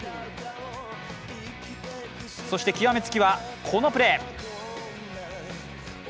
そして極め付きはこのプレー。